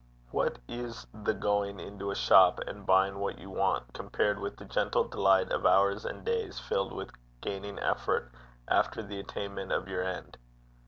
What is the going into a shop and buying what you want, compared with the gentle delight of hours and days filled with gaining effort after the attainment of your end?